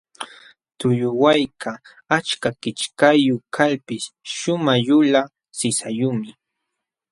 Tuqulluwaykaq achka kichkayuq kalpis shumaq yulaq sisayuqmi.